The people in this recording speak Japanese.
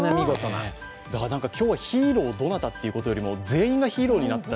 今日はヒーローどなたというよりも、全員がヒーローだった。